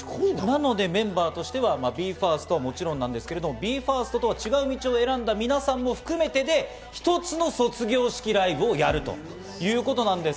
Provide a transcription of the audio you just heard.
メンバーとしてはＢＥ：ＦＩＲＳＴはもちろん、ＢＥ：ＦＩＲＳＴとは違う道を選んだみなさんも含めて、一つの卒業式ライブをやるということです。